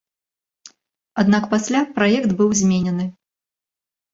Аднак пасля праект быў зменены.